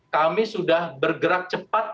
kami sudah bergerak cepat